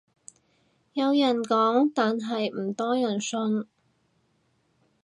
有人講但唔多人信